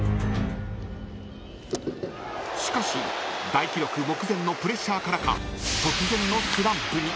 ［しかし大記録目前のプレッシャーからか突然のスランプに］